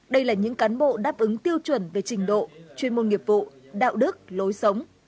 đây là những cán bộ đáp ứng tiêu chuẩn về trình độ chuyên môn nghiệp vụ đạo đức lối sống